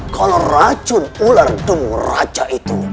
kalau racun ular demuraja itu